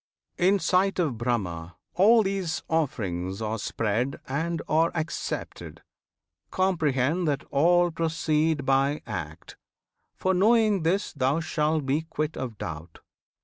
In sight of Brahma all these offerings Are spread and are accepted! Comprehend That all proceed by act; for knowing this, Thou shalt be quit of doubt.